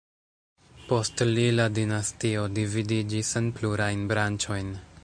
Post li la dinastio dividiĝis en plurajn branĉojn.